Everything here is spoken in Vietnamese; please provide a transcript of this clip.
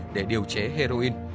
để điều trế heroin